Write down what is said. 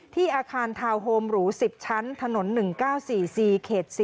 อาคารทาวน์โฮมหรู๑๐ชั้นถนน๑๙๔๔เขต๔